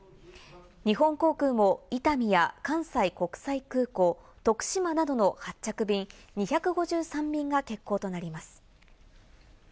日本航空も伊丹や関西国際空港、徳島などの発着便、２５３便が欠航となります。